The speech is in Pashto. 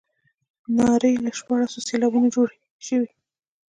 نارې له شپاړسو سېلابونو جوړې شوې.